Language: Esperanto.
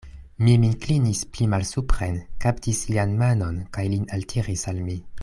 Mi min klinis pli malsupren, kaptis lian manon kaj lin altiris al mi.